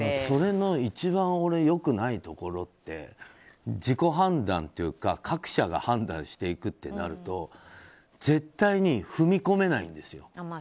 それの一番良くないところって自己判断というか各社が判断していくとなると絶対に踏み込めないんですよ。